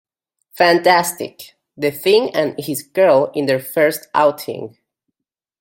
Fantastic, the Thing and his girl in their first outing.